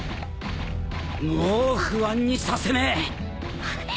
もう不安にさせねえ。